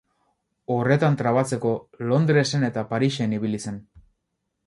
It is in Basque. Horretan trabatzeko, Londresen eta Parisen ibili zen.